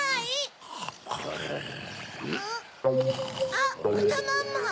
あっぶたまんまん！